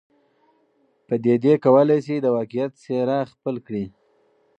پدیدې کولای سي د واقعیت څېره خپل کړي.